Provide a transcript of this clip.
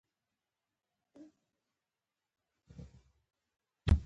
هغه د ذات او الهي پیغام په لټه کې و.